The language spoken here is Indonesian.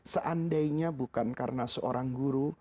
seandainya bukan karena seorang guru